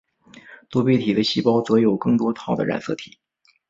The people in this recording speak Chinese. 多倍体的细胞则有更多套的染色体。